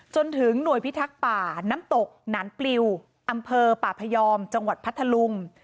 จนถึงหน่วยพิทักษ์ป่าน้ำตกหนานปลิวอำเภอป่าพยอมจังหวัดพัทธลุง